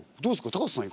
高瀬さん